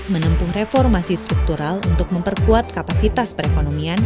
menempuh reformasi struktural untuk memperkuat kapasitas perekonomian